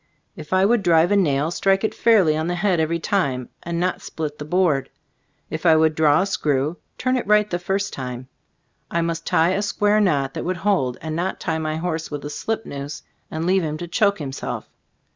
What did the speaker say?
If I would drive a nail, strike it fairly on the head every time, and not split the board. If I would draw a screw, turn it right the first time. I must tie a square knot that would hold, and not tie my horse with a slip noose and leave him to choke himself.